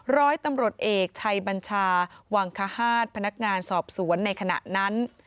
ร้อยตำรวจเอกชัยบัญชาวังคฮาศพนักงานสอบสวนในขณะนั้น